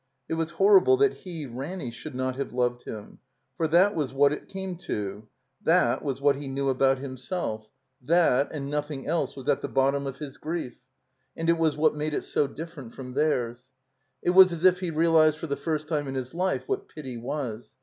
It was horrible that he, Ranny, should not have loved him. For that was what it came to; that was what he knew about himself; 340 THE COMBINED MAZE that and nothing else was at the bottom of his gridf, and it was what made it so different from theirs. It was as if he realized for the first time in his life what pity was.